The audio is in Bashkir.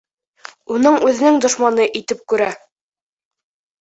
Уны үҙенең дошманы итеп күрә.